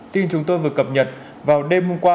tin chúng tôi vừa cập nhật vào đêm hôm qua